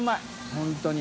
本当に。